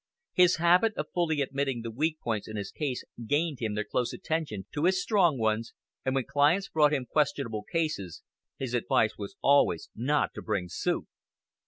His habit of fully admitting the weak points in his case gained him their close attention to his strong ones, and when clients brought him questionable cases his advice was always not to bring suit.